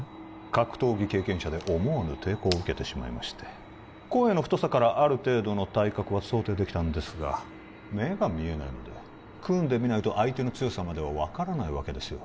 格闘技経験者で思わぬ抵抗を受けてしまいまして声の太さからある程度の体格は想定できたんですが目が見えないので組んでみないと相手の強さまでは分からないわけですよ